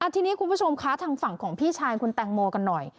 ทีนี้คุณผู้ชมคะทางฝั่งของพี่ชายคุณแตงโมกันหน่อย